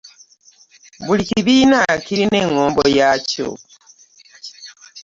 Buli kibiina kirina engombo yaakyo.